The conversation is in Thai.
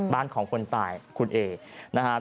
บ้านของคนตายคุณเอนะครับ